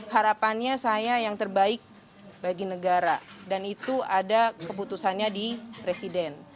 harapannya saya yang terbaik bagi negara dan itu ada keputusannya di presiden